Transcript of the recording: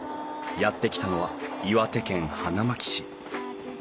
やって来たのは岩手県花巻市。